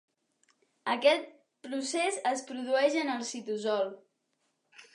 Aquest procés es produeix en el citosol.